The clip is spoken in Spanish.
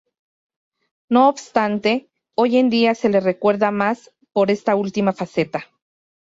No obstante, hoy en día se le recuerda más por esta última faceta.